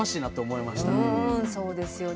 うんそうですよね。